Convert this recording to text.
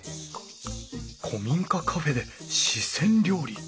古民家カフェで四川料理。